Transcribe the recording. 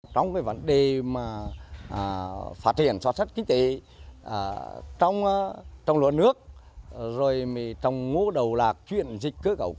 trong vấn đề phát triển sản xuất kinh tế trong lộ nước trong ngũ đầu lạc chuyển dịch cơ cẩu